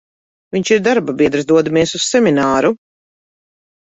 Vinš ir darbabiedrs, dodamies uz semināru.